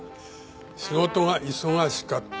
仕事が忙しかった。